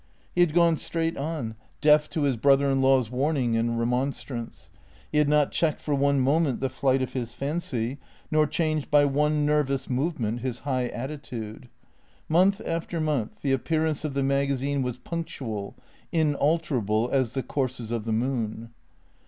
He had gone straight on, deaf to his brother in law's warning and remonstrance; he had not checked for one moment the flight of his fantasy, nor changed by one nervous movement his high attitude. Month after month, the appear ance of the magazine was punctual, inalterable as the courses of the moon.